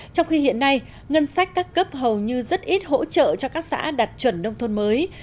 trong khi hiện nay ngân sách các cấp hầu như rất ít hỗ trợ cho các xã đạt chuẩn nông thôn mới